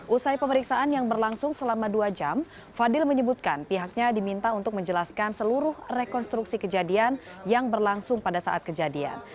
usai pemeriksaan yang berlangsung selama dua jam fadil menyebutkan pihaknya diminta untuk menjelaskan seluruh rekonstruksi kejadian yang berlangsung pada saat kejadian